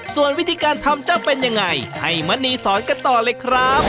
ส่วนวิธีการทำจะเป็นยังไงให้มณีสอนกันต่อเลยครับ